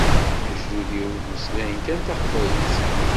Lejdud-iw mmeslayen kan taqbaylit.